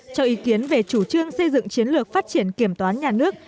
cho ý kiến về chủ trương xây dựng chiến lược phát triển kiểm toán nhà nước